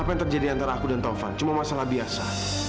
apa yang terjadi antara aku dan taufan cuma masalah biasa